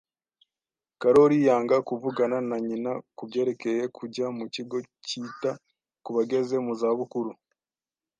Karoli yanga kuvugana na nyina kubyerekeye kujya mu kigo cyita ku bageze mu za bukuru